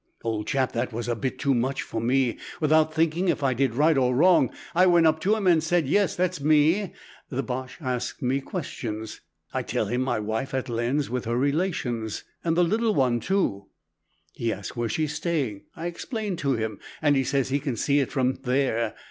"Old chap, that was a bit too much for me. Without thinking if I did right or wrong, I went up to him and I said, 'Yes, there's me.' The Boche asks me questions. I tell him my wife's at Lens with her relations, and the little one, too. He asks where she's staying. I explain to him, and he says he can see it from there.